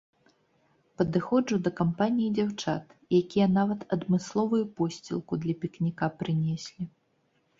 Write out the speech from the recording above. Падыходжу да кампаніі дзяўчат, якія нават адмысловую посцілку для пікніка прынеслі.